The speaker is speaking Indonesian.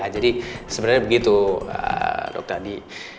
jadi sebenernya begitu dokter di